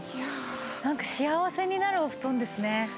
なんか幸せになるお布団ですね。